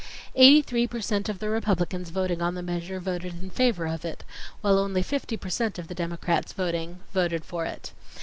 Eighty three per cent of the Republicans voting on the measure, voted in favor of it, while only fifty per cent of the Democrats voting, voted for it.